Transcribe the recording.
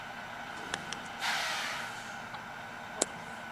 Pár bydlí v Brooklynu.